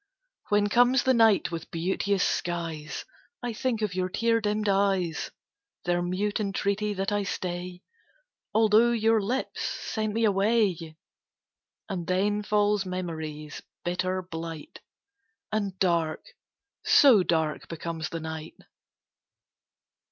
When comes the night with beauteous skies, I think of your tear dimmed eyes, Their mute entreaty that I stay, Although your lips sent me away; And then falls memory's bitter blight, And dark so dark becomes the night.